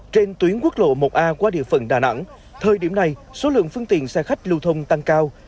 trên tuyến quốc lộ một a qua địa phận đà nẵng thời điểm này số lượng phương tiện xe khách lưu thông tăng cao